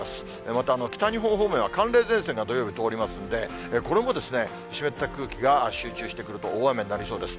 また、北日本方面は寒冷前線が土曜日通りますので、これも湿った空気が集中してくると、大雨になりそうです。